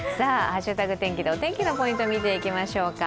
「＃ハッシュタグ天気」でお天気のポイントを見ていきましょうか。